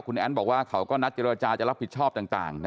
คุณแอ้นบอกว่าเขาก็นัดเจรจาจะรับผิดชอบต่าง